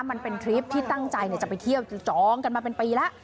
มันเป็นทริปที่ตั้งใจจะไปเที่ยวจองกันมาเป็นปีแล้ว